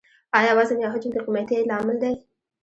آیا وزن یا حجم د قیمتۍ لامل دی؟